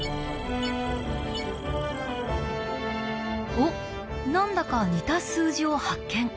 おっ何だか似た数字を発見。